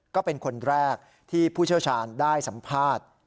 ก็เป็นคนแรกที่ผู้เชี่ยวชาญได้สัมภาษณ์